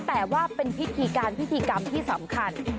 แต่ว่าเป็นพิธีการพิธีกรรมที่สำคัญ